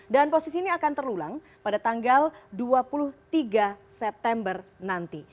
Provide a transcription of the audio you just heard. dan posisi ini akan terulang pada tanggal dua puluh tiga september nanti